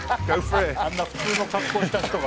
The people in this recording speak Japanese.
あんな普通の格好した人が。